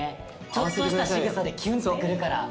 ちょっとしたしぐさでキュンとくるから。